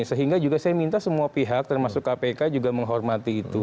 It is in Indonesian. sehingga juga saya minta semua pihak termasuk kpk juga menghormati itu